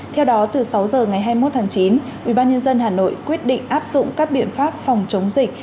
theo đó từ sáu giờ ngày hai mươi một tháng chín ubnd hà nội quyết định áp dụng các biện pháp phòng chống dịch